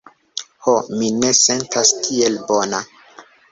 Ho, mi ne sentas tiel bona.